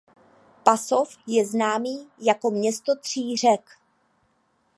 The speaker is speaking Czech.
Pasov je známý jako město tří řek.